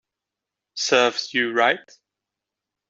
Serves you right